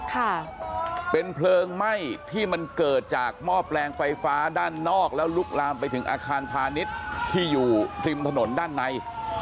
ค่ะเป็นเพลิงไหม้ที่มันเกิดจากหม้อแปลงไฟฟ้าด้านนอกแล้วลุกลามไปถึงอาคารพาณิชย์ที่อยู่ริมถนนด้านใน